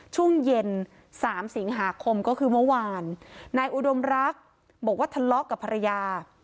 ช่วงเย็นสามสิงหาคมก็คือเมื่อวานนายอุดมรักบอกว่าทะเลาะกับภรรยา